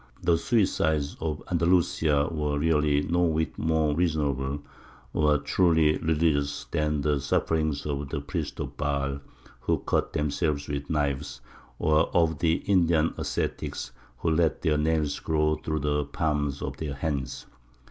The suicides of Andalusia were really no whit more reasonable or truly religious than the sufferings of the priests of Baal who cut themselves with knives, or of the Indian ascetics who let their nails grow through the palms of their hands.